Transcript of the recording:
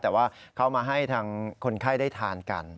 แต่ว่าเขามาให้ทางคนไข้ได้ทานกัน